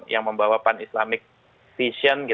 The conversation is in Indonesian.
yang membawa pan islamic vision